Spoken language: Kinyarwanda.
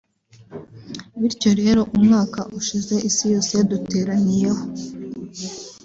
Bityo rero umwaka ushize isi yose yaduteraniyeho